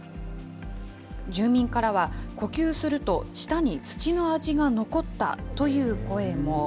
住民からは、呼吸すると舌に土の味が残ったという声も。